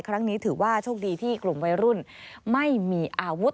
ครั้งนี้ถือว่าโชคดีที่กลุ่มวัยรุ่นไม่มีอาวุธ